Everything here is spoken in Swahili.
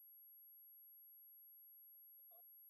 Dasgupta Antony Gomes na Daktari Liji Thomas